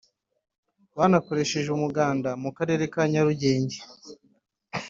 Banakoresheje umuganda mu karere ka Nyarugenge